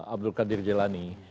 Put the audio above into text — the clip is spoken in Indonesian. abdul kadir jadil